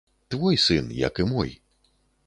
Твой сын, як і мой.